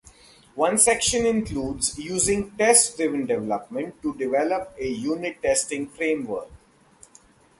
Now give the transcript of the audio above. One section includes using test-driven development to develop a unit testing framework.